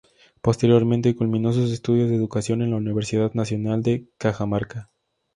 Posteriormente, culminó sus estudios de Educación en la Universidad Nacional de Cajamarca.